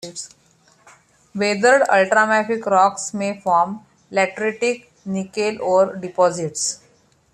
Weathered ultramafic rocks may form lateritic nickel ore deposits.